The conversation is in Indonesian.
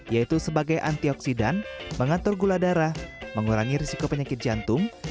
yaitu sebagai antioksidan mengatur gula darah mengurangi risiko penyakit jantung